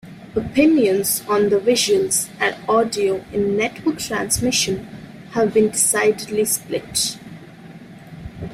Opinions on the visuals and audio in "Network Transmission" have been decidedly split.